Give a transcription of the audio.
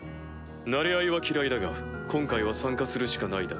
馴れ合いは嫌いだが今回は参加するしかないだろう。